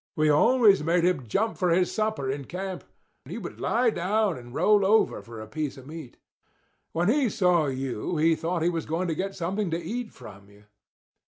"We always made him jump for his supper in camp. He would lie down and roll over for a piece of meat. When he saw you he thought he was going to get something to eat from you."